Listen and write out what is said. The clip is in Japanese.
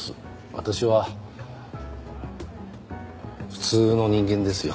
私は普通の人間ですよ。